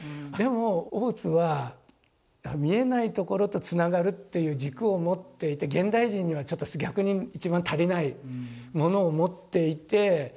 でも大津は見えないところとつながるっていう軸を持っていて現代人にはちょっと逆に一番足りないものを持っていて。